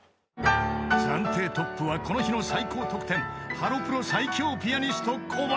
［暫定トップはこの日の最高得点ハロプロ最強ピアニスト小林］